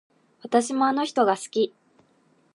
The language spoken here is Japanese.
私もあの人が好き